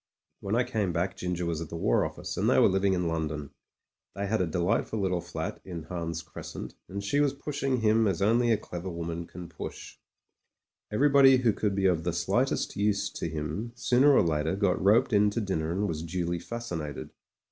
When I came back Ginger was at the War Office, and they were living in London. They had a delight ful little fl^t in Hans Crescent, and she was pushing him as only a clever woman can push. Everybody who could be of the slightest use to him sooner or later got roped in to dinner and was duly fascinated.